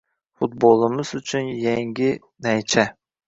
Futbolimiz uchun yangi naycha